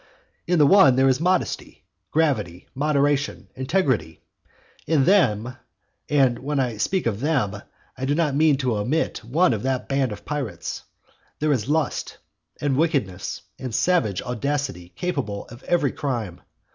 In the one there is modesty, gravity, moderation, integrity; in them (and when I speak of them, I do not mean to omit one of that band of pirates), there is lust, and wickedness, and savage audacity capable of every crime.